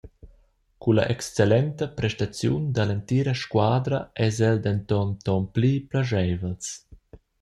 Culla excellenta prestaziun dall’entira squadra eis el denton tonpli plascheivels.